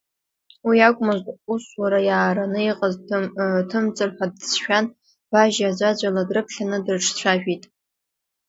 Уи акәмызт, усура иаараны иҟаз ҭымҵыр ҳәа дацәшәан, Важьа аӡәаӡәала дрыԥхьаны дрыҿцәажәеит.